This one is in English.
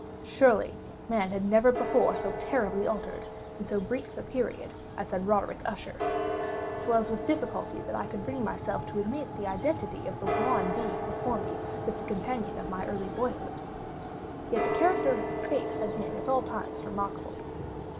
Surely, man had never before so terribly altered, in so brief a period, as had Roderick Usher! It was with difficulty that I could bring myself to admit the identity of the wan being before me with the companion of my early boyhood. Yet the character of his face had been at all times remarkable.